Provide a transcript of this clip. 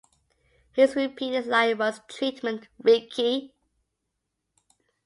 His repeated line was, Treatment, Ricky.